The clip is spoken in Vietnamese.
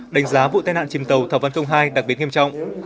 đánh giá vụ tai nạn chìm tàu thảo vân ii đặc biệt nghiêm trọng